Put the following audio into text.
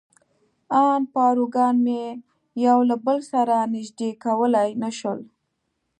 ان پاروګان مې یو له بل سره نژدې کولای نه شول.